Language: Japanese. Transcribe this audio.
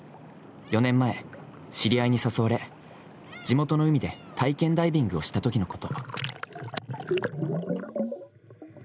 ４年前、知り合いに誘われ、地元の海で体験ダイビングをしたときのこと。